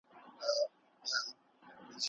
په سياست کي د بنسټونو رول ته پام وکړئ.